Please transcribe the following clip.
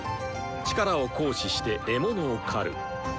力を行使して獲物を狩る。